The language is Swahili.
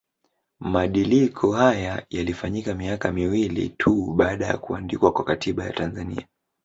Madiliko haya yalifanyika miaka miwili tu baada ya kuandikwa kwa Katiba ya Tanzania